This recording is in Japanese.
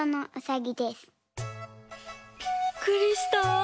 びっくりした！